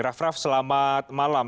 raff raff selamat malam